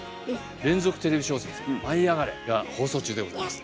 連続テレビ小説「舞いあがれ！」が放送中でございます。